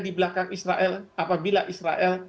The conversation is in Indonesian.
di belakang israel apabila israel